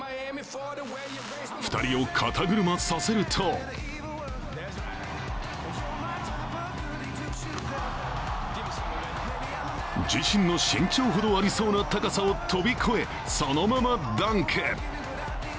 ２人を肩車させると自身の身長ほどありそうな高さを飛び越え、そのままダンク。